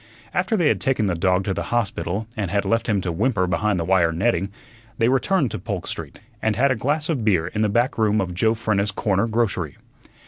After they had taken the dog to the hospital and had left him to whimper behind the wire netting, they returned to Polk Street and had a glass of beer in the back room of Joe Frenna's corner grocery.